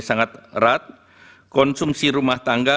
sangat erat konsumsi rumah tangga